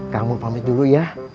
kamu pamit dulu ya